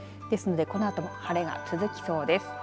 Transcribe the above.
ですのでこのあとも晴れが続きそうです。